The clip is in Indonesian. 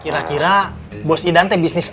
kira kira bos idante bisnis apa ya